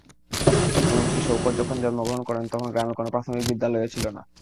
এমনকি শওকত যখন জন্মগ্রহণ করেন গ্রামে কোনো প্রাথমিক বিদ্যালয়ও ছিল না।